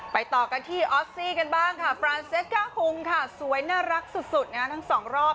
ต่อกันที่ออสซี่กันบ้างค่ะฟรานเซ็กก้าฮุงค่ะสวยน่ารักสุดทั้งสองรอบ